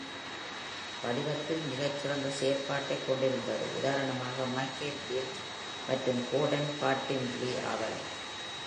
வடிவத்தில் மிக சிறந்த செயல்பாட்டை கொண்டிருந்தது உதாரணமாக மைக்கேல் பீல்ட் மற்றும் கோர்டன் பாட்டம்லீ ஆவர்.